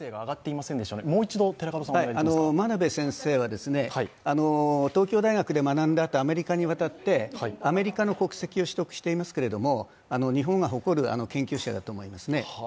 真鍋先生は東京大学で学んだあとアメリカに渡って、アメリカの国籍を取得していますけれども日本が誇る研究者だと思いますね。